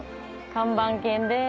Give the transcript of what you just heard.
看板犬です。